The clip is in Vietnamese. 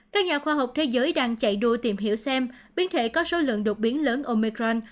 các nhà khoa học thế giới đang chạy đua tìm hiểu xem biến thể có số lượng đột biến lớn omecran